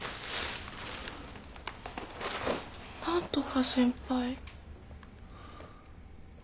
何とか先輩。